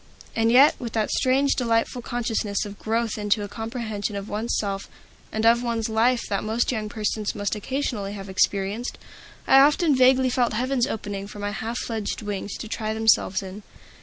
And yet, with that strange, delightful consciousness of growth into a comprehension of one's self and of one's life that most young persons must occasionally have experienced, I often vaguely felt heavens opening for my half fledged wings to try themselves in.